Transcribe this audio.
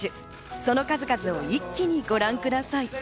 その数々を一気にご覧ください。